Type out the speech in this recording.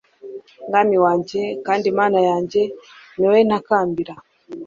mwami wanjye kandi mana yanjye, ni wowe ntakambira